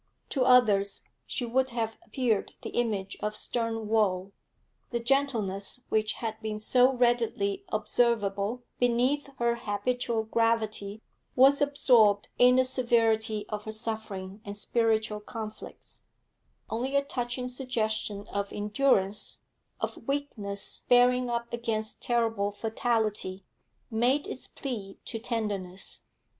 To others she would have appeared the image of stern woe. The gentleness which had been so readily observable beneath her habitual gravity was absorbed in the severity of her suffering and spiritual conflicts; only a touching suggestion of endurance, of weakness bearing up against terrible fatality, made its plea to tenderness.